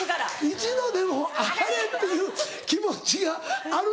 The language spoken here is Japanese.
１度でも上がれ！っていう気持ちがあるのか皆。